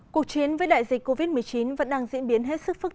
cuộc chiến với đại dịch covid một mươi chín vẫn đang diễn biến hết sức phức